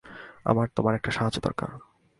আমার তোমার একটা সাহায্য দরকার।